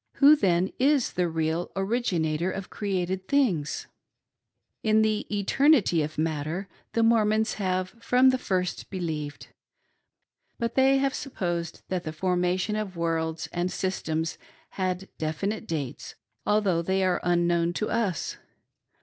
Who then is the real Originator of created things .' In the eternity of matter, the Mormons have from the first believed,; but they have supposed that the formation ot worlds and systems had definite dates, although they are unknown to us.